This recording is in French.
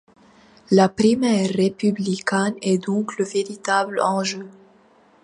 La primaire républicaine est donc le véritable enjeu.